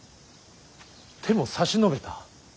手も差し伸べた。